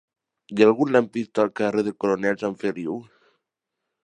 Hi ha algun lampista al carrer del Coronel Sanfeliu?